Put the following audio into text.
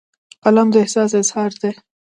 قلم د احساس اظهار دی